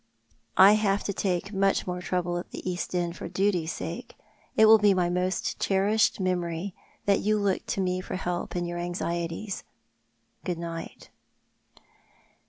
1 have to take much more trouble at the East End for duty's sake. It will be my most cherished memory that you looked to me for help in your anxieties. Good night."